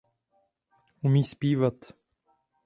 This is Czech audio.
Umí zpívat.